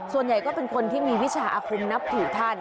ส่วนใหญ่ก็เป็นคนที่มีวิชาอาคมนับถือท่าน